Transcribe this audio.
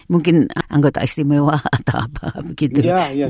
mungkin anggota istimewa atau apa begitu